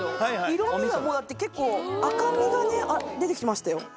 色みがもうだって結構赤みがね出て来ましたよ。